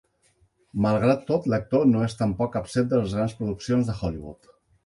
Malgrat tot, l'actor no és tampoc absent de les grans produccions de Hollywood.